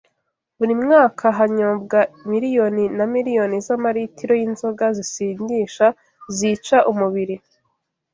Buri mwaka hanyobwa miliyoni na miliyoni z’amalitiro y’inzoga zisindisha zica umubiri